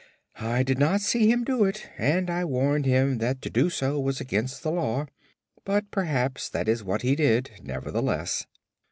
"I did not see him do it, and I warned him that to do so was against the Law; but perhaps that is what he did, nevertheless."